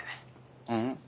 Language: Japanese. うん？